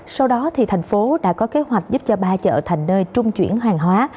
sau đó thì thành phố đã có kế hoạch giúp cho ba chợ thành nơi trung chuyển hàng hóa